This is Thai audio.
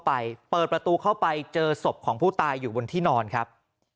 เปิดประตูเข้าไปเจอศพของผู้ตายอยู่บนที่นอนครับ